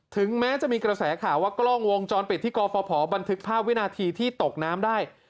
ถึงแม้จะมีกระแสข่าวว่ากล้องวงจรปิดที่กฟภบันทึกภาพวินาทีที่ตกน้ำได้